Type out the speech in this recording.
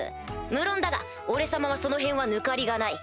無論だが俺様はそのへんは抜かりがない。